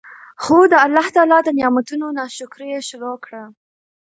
خو د الله تعالی د نعمتونو نا شکري ئي شروع کړه